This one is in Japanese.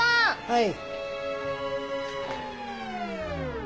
はい。